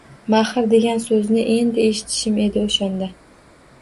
Mahr degan soʻzni endi eshitishim edi oʻshanda.